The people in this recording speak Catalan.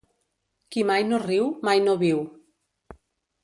Qui mai no riu, mai no viu.